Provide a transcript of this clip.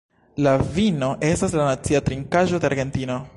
La vino estas la nacia trinkaĵo de Argentino.